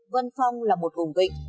vân phong là một vùng vịnh